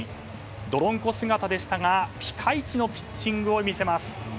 泥んこ姿でしたがピカイチのピッチングを見せます。